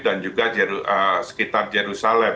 dan juga sekitar jerusalem